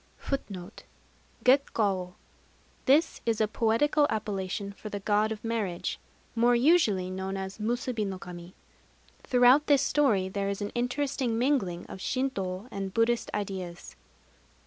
Gekkawô. This is a poetical appellation for the God of Marriage, more usually known as Musubi no kami. Throughout this story there is an interesting mingling of Shintô and Buddhist ideas.